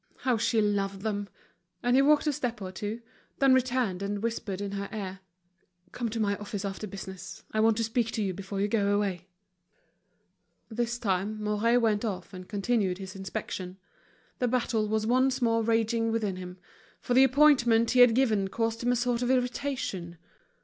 How she loved them! And he walked a step or two; then returned and whispered in her ear: "Come to my office after business, I want to speak to you before you go away." This time Mouret went off and continued his inspection. The battle was once more raging within him, for the appointment he had given caused him a sort of irritation.